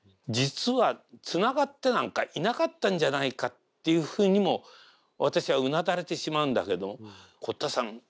実はつながってなんかいなかったんじゃないかというふうにも私はうなだれてしまうんだけど堀田さん